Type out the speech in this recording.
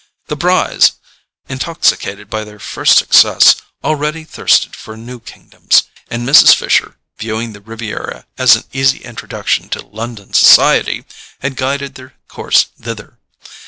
The Brys, intoxicated by their first success, already thirsted for new kingdoms, and Mrs. Fisher, viewing the Riviera as an easy introduction to London society, had guided their course thither.